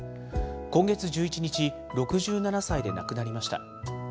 今月１１日、６７歳で亡くなりました。